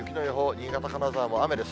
新潟、金沢も雨です。